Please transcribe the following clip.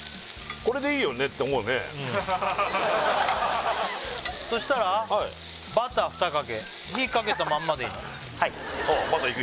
これでいいよねって思うねそしたらバター２かけ火かけたまんまでいいの？